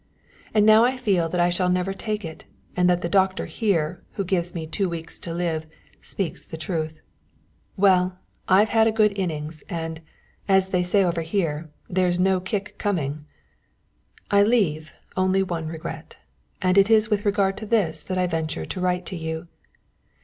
And now I feel that I shall never take it, and that the doctor here, who gives me two weeks to live, speaks the truth. Well, I've had a good innings, and, as they say over here, 'there's no kick coming.' I leave only one regret, and it is with regard to this that I venture to write to you.